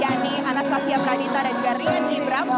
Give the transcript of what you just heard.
yakni anastasia pradita dan juga rian ibram